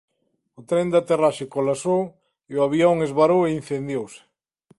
O tren de aterraxe colapsou e o avión esvarou e incendiouse.